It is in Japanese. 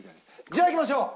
じゃあいきましょう！